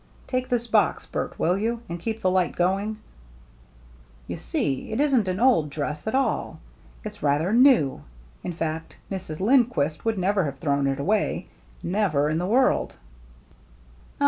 Take this box, Bert, will you, and keep the light going ? You see, it isn't an old dress at all. It's rather new, in fact. Mrs. Lindquist would never have thrown it away — never in the world.